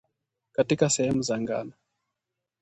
Katika sehemu za ngano